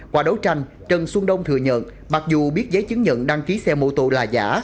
qua đấu tranh trần xuân đông thừa nhận mặc dù biết giấy chứng nhận đăng ký xe mô tô là giả